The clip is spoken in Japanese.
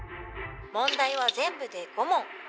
「問題は全部で５問」